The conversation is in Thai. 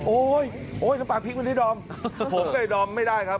โอ๊ยโอ๊ยน้ำปลาพริกวันนี้ดอมผมกับไอดอมไม่ได้ครับ